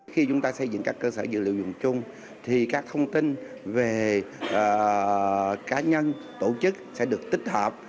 khi chúng ta xây dựng các cơ sở dự liệu dùng chung thì các thông tin về cá nhân tổ chức sẽ được tích hợp